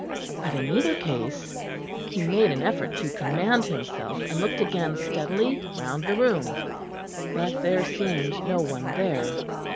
But in either case He made an effort to command himself, and looked again steadily round the room; but there seemed no one there.